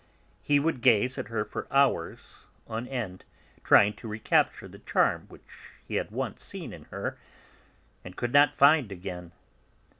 He would gaze at her for hours on end, trying to recapture the charm which he had once seen in her and could not find again.